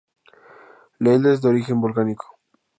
La isla es de origen volcánico.